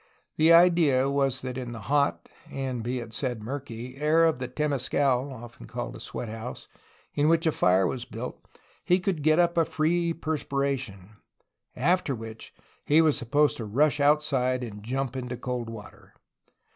The idea was that in the hot (and be it said murky) air of , the temescal (often called "sweat house" ),Mn which a fire was built, he could get up a free perspiration, after which he was sup posed to rush outside and jump into cold water!